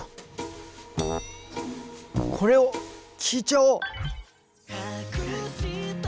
これを聴いちゃおう。